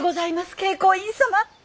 慶光院様。